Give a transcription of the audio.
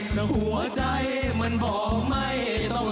แต่หัวใจมันบอกไม่ต้อง